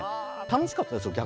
楽しかったですよ